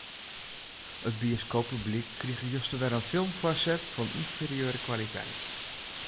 It bioskooppublyk krige juster wer in film foarset fan ynferieure kwaliteit.